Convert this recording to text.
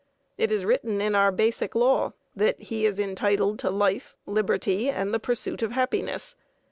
It is written in our basic law that he is entitled to life, liberty, and the pursuit of happiness.